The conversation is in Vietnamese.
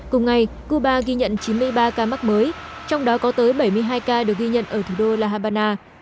cùng ngày cuba ghi nhận chín mươi ba ca mắc mới trong đó có tới bảy mươi hai ca được ghi nhận ở thủ đô la habana